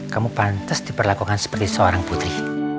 kamu pantas diperlakukan seperti seorang putri